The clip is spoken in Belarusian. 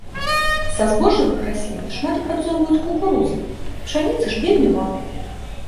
Са збожжавых раслін шмат апрацоўваюць кукурузы, пшаніцы ж вельмі мала.